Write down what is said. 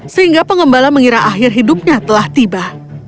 sehingga pengembala mengira akhir hidupnya telah tiba